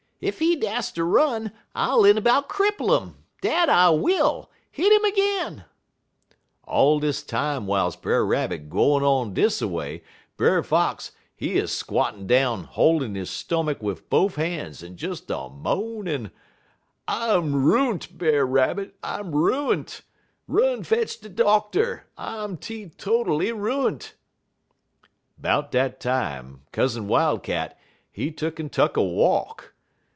Ef he dast ter run, I'll inabout cripple 'im dat I will. Hit 'im ag'in!' "All dis time w'iles Brer Rabbit gwine on dis a way, Brer Fox, he 'uz a squattin' down, hol'in' he stomach wid bofe han's en des a moanin': "'I'm ruint, Brer Rabbit! I'm ruint! Run fetch de doctor! I'm teetotally ruint!' "'Bout dat time, Cousin Wildcat, he tuck'n tuck a walk.